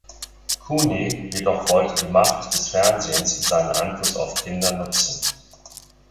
Cooney jedoch wollte die Macht des Fernsehens und seinen Einfluss auf Kinder nutzen.